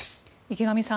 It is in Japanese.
池上さん